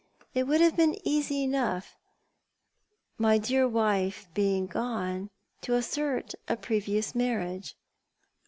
It would have been easy enough, my dear wife being gone, to assert a previous marriage.